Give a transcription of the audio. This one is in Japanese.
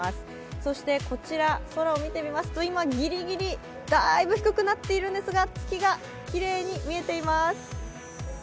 そして、こちら、空を見てみますと、今ぎりぎりだいぶ低くなっているんですが、月がきれいに見えています。